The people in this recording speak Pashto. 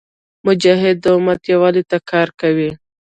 مجاهد د امت یووالي ته کار کوي.